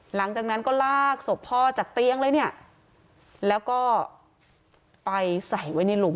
หลังจากนั้นก็ลากศพพ่อจากเตียงเลยเนี่ยแล้วก็ไปใส่ไว้ในหลุม